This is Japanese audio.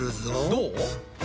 どう？